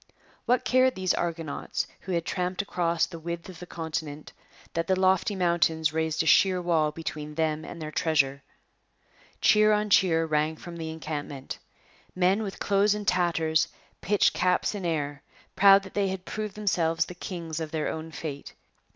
What cared these argonauts, who had tramped across the width of the continent, that the lofty mountains raised a sheer wall between them and their treasure? Cheer on cheer rang from the encampment. Men with clothes in tatters pitched caps in air, proud that they had proved themselves kings of their own fate.